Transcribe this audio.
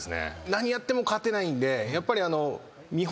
何やっても勝てないんでやっぱり。